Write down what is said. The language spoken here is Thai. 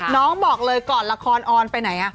บอกเลยก่อนละครออนไปไหน